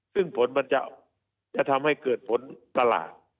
ซึ่งผลมันจะทำให้เกิดผลตลาด